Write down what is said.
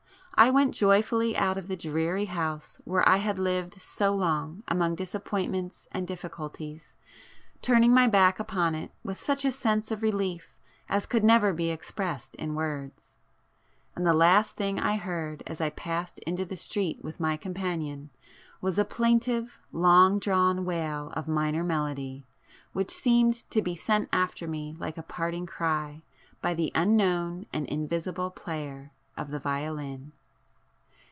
I went joyfully out of the dreary house where I had lived so long among disappointments and difficulties, turning my back upon it with such a sense of relief as could never be expressed in words,—and the last thing I heard as I passed into the street with my companion, was a plaintive long drawn wail of minor melody, which seemed to be sent after me like a parting cry, by the unknown and invisible player of the violin.